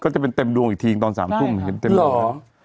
ก็จะเป็นเต็มดวงอีกทีตอน๓ทุ่มเห็นเต็มดวง